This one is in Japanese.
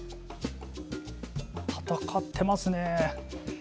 戦ってますね。